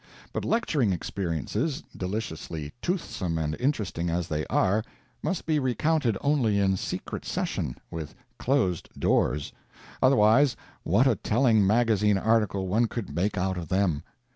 But lecturing experiences, deliciously toothsome and interesting as they are, must be recounted only in secret session, with closed doors. Otherwise, what a telling magazine article one could make out of them.